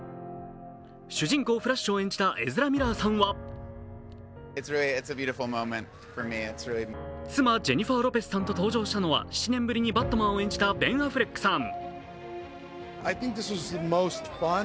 主人公・フラッシュを演じたエズラ・ミラーさんは妻、ジェニファー・ロペスさんと登場したのは７年ぶりにバットマンを演じたベン・アフレックさん。